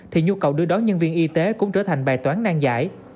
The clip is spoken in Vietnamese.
thì nhu cầu đưa đón nhân viên y tế cũng trở thành bài toán nan giải